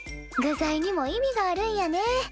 具材にも意味があるんやね。